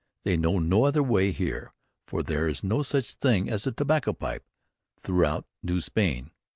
they know no other way here, for there is no such Thing as a Tobacco Pipe throughout New Spain."